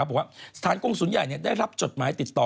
บอกว่าสถานกงศูนย์ใหญ่ได้รับจดหมายติดต่อ